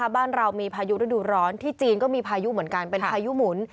บ้านเรามีพายุฤดูร้อนที่จีนก็มีพายุเหมือนกันเป็นพายุหมุน